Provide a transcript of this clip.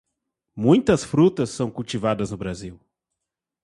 Muitas frutas são cultivadas no Brasil.